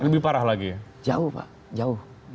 lebih parah lagi ya jauh pak jauh